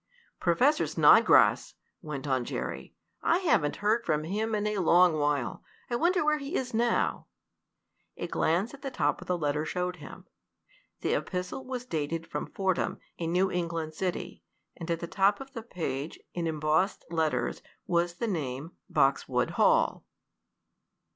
"Professor Snodgrass!" went on Jerry. "I haven't heard from him in a long while. I wonder where he is now?" A glance at the top of the letter showed him. The epistle was dated from Fordham, a New England city, and at the top of the page, in embossed letters, was the name "Boxwood Hall."